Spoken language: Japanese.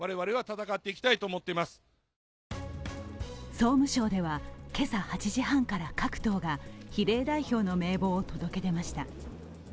総務省では今朝８時半から各党が比例代表の名簿を届け出ました。